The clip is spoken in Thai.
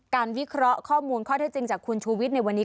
การวิเคราะห์ข้อมูลข้อแท้จริงจากคุณชุวิตในวันนี้